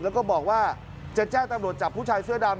แล้วก็บอกว่าจะแจ้งตำรวจจับผู้ชายเสื้อดำ